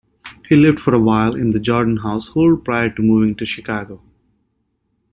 He lived for a while in the Jordan household prior to moving to Chicago.